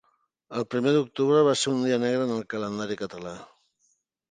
El Primer d'Octubre va ser un dia negre en el calendari català